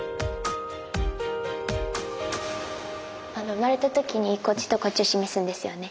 生まれた時にこっちとこっちを示すんですよね。